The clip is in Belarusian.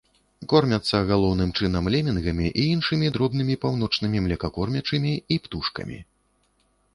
Кормяцца галоўным чынам лемінгамі і іншымі дробнымі паўночнымі млекакормячымі і птушкамі.